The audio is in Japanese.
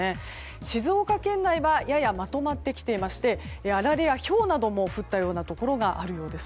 静岡県内はややまとまってきていましてあられやひょうなども降ったところがあるようです。